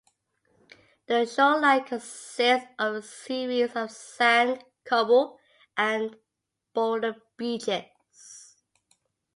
The shoreline consists of a series of sand, cobble, and boulder beaches.